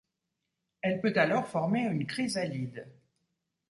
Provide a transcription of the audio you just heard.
Elle peut alors former une chrysalide.